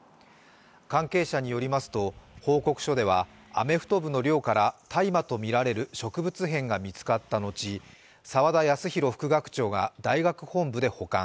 関係者によりますと、報告書ではアメフト部の寮から大麻とみられる植物片が見つかった後、澤田康広副学長が大学本部で保管。